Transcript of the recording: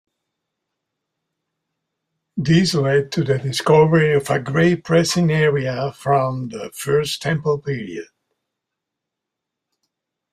This led to the discovery of a grape-pressing area from the First Temple period.